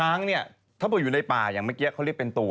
ช้างเนี่ยถ้าบอกอยู่ในป่าอย่างเมื่อกี้เขาเรียกเป็นตัว